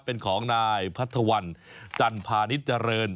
เป็นของนายพัฒวัลจันทร์พานิจเจริญ